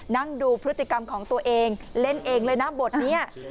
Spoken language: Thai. นั่งดูพฤติกรรมของตัวเองเล่นเองเลยนะบทนี้